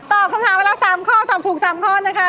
ตอบคำถามไปแล้ว๓ข้อตอบถูก๓ข้อนะคะ